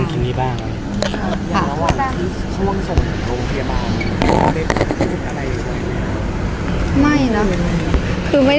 ภาษาสนิทยาลัยสุดท้าย